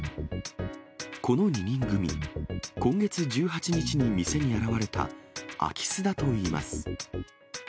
この２人組、今月１８日に店に現れた空き巣だといいます。